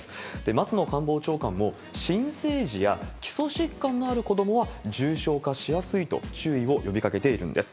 松野官房長官も、新生児や基礎疾患のある子どもは重症化しやすいと、注意を呼びかけているんです。